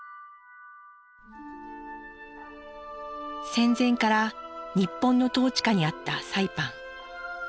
戦前から日本の統治下にあったサイパン。